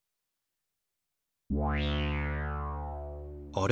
あれ？